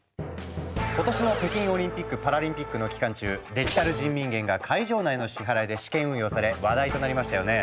今年の北京オリンピック・パラリンピックの期間中「デジタル人民元」が会場内の支払いで試験運用され話題となりましたよね。